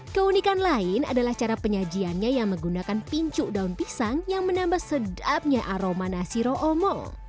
keunikan lain adalah cara penyajiannya yang menggunakan pincuk daun pisang yang menambah sedapnya aroma nasi roh omong